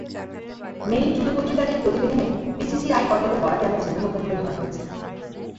Mail Today পত্রিকাটির প্রতিবেদনেও BCCI কর্তাদের বরাতে এমন চিন্তাভাবনা তুলে ধরা হয়েছে।